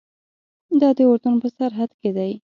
دا د اردن په سرحد کې دی.